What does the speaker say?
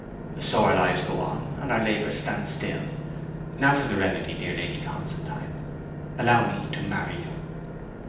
'So our lives go on, and our labours stand still. Now for the remedy. Dear Lady Constantine, allow me to marry you.'